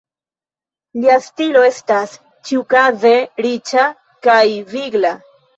Lia stilo estas, ĉiukaze, riĉa kaj vigla.